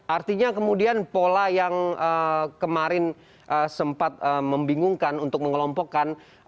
artinya kemudian pola yang kemarin sempat membingungkan untuk mengelompokkan